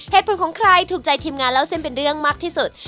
ของใครถูกใจทีมงานเล่าเส้นเป็นเรื่องมากที่สุด